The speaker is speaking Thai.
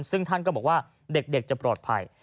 ซึ่งท่านก็บอกว่าเด็กจะปลอดภัย